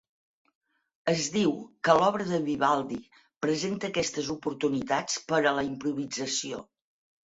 Es diu que l'obra de Vivaldi presenta aquestes oportunitats per a la improvisació.